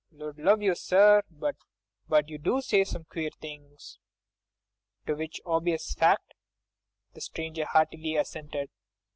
—Lud love you, sir, but you do say some queer things." To which obvious fact the stranger heartily assented.